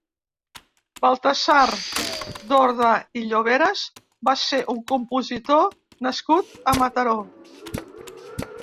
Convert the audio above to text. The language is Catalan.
Baltasar Dorda i Lloveras va ser un compositor nascut a Mataró.